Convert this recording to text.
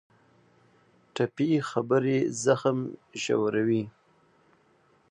ټپي خبرې زخم ژوروي.